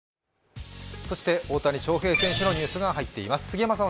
大谷翔平選手のニュースが入っています。